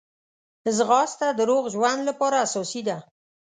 ځغاسته د روغ ژوند لپاره اساسي ده